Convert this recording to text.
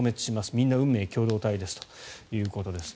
みんな運命共同体ですということです。